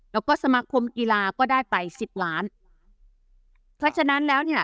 แล้วก็สมาคมกีฬาก็ได้ไปสิบล้านเพราะฉะนั้นแล้วเนี่ย